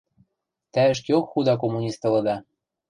Тӓ ӹшкеок худа коммунист ылыда.